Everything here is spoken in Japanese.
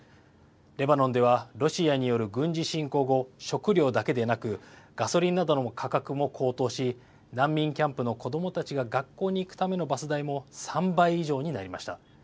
レバノンではロシアによる軍事侵攻後食料だけでなくガソリンなどの価格も高騰し難民キャンプの子どもたちが学校に行くためのバス代も３倍以上になりました。